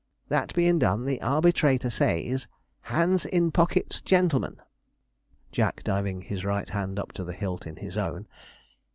That being done, the arbitrator says, "Hands in pockets, gen'lemen."' (Jack diving his right hand up to the hilt in his own.)